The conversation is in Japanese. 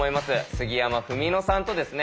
杉山文野さんとですね